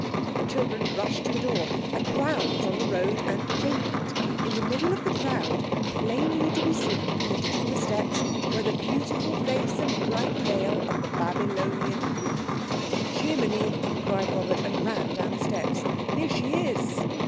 The children rushed to the door. A crowd was on the road and pavement. In the middle of the crowd, plainly to be seen from the top of the steps, were the beautiful face and bright veil of the Babylonian Queen. "Jimminy!" cried Robert, and ran down the steps, "here she is!"